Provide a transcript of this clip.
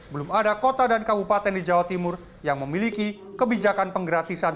belum ada kota dan kabupaten di jawa timur yang memiliki kebijakan penggratisan